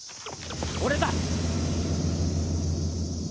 俺だ！